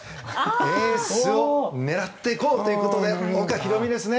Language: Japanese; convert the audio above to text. エースを狙っていこうということで岡ひろみですね。